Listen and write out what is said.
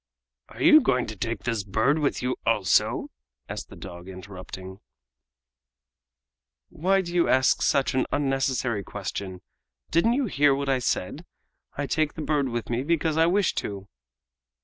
"Are you going to take this bird with you also?" asked the dog, interrupting. "Why do you ask such an unnecessary question? Didn't you hear what I said? I take the bird with me because I wish to!"